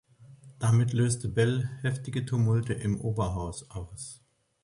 Damit löste Bell heftige Tumulte im Oberhaus aus.